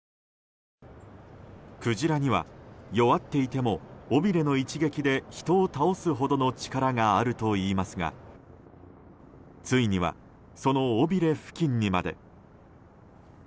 クジラには、弱っていても尾びれの一撃で人を倒すほどの力があるといいますがついにはその尾びれ付近にまで。